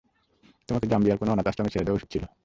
তোমাকে জাম্বিয়ার কোনো অনাথাশ্রমে ছেড়ে আসা উচিত ছিলো।